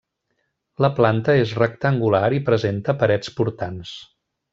La planta és rectangular i presenta parets portants.